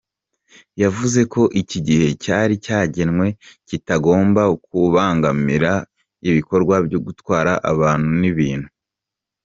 Yavuze ko iki gihe cyari cyagenwe, kitagombaga kubangamira ibikorwa byo gutwara abantu n’ibintu.